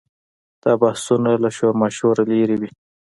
دا بحثونه له شورماشوره لرې وي.